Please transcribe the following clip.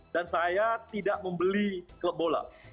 dan saya tidak membeli klub bola